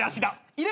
いる。